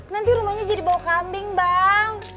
nanti rumahnya jadi bawa kambing bang